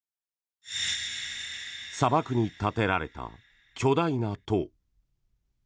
砂漠に建てられた巨大な塔。